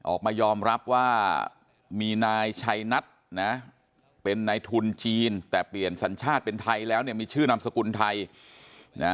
ออกมายอมรับว่ามีนายชัยนัทนะเป็นนายทุนจีนแต่เปลี่ยนสัญชาติเป็นไทยแล้วเนี่ยมีชื่อนามสกุลไทยนะ